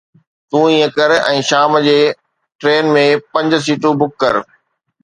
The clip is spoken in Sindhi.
تون ائين ڪر ۽ شام جي ٽرين ۾ پنج سيٽون بک ڪر.